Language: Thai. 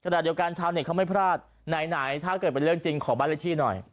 ขณะเดียวกันชาวเน็ตเขาไม่พลาดไหนถ้าเกิดเป็นเรื่องจริงขอบ้านเลขที่หน่อย